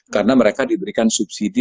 karena mereka diberikan subsidi